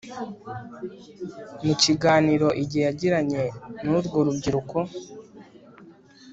mu kiganiro igihe yagiranye n'urwo rubyiruko